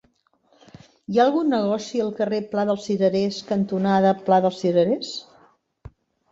Hi ha algun negoci al carrer Pla dels Cirerers cantonada Pla dels Cirerers?